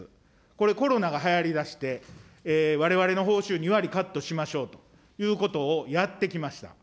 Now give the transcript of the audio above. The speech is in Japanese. これ、コロナがはやり出して、われわれの報酬２割カットしましょうということをやってきました。